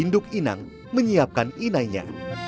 induk inang menyiapkan inainya